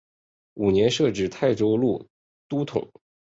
五年设置泰州路都统。